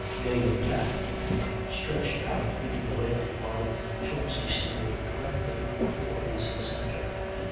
Yeo tacked and stretched out into the lake, while Chauncy steered directly for his centre.